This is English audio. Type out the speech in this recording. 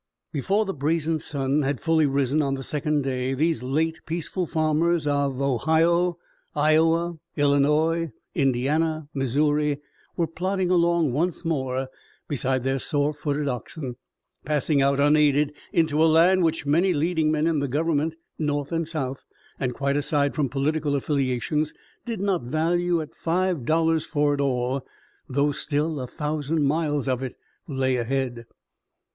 Before the brazen sun had fully risen on the second day these late peaceful farmers of Ohio, Iowa, Illinois, Indiana, Missouri, were plodding along once more beside their sore footed oxen; passing out unaided into a land which many leading men in the Government, North and South, and quite aside from political affiliations, did not value at five dollars for it all, though still a thousand miles of it lay ahead.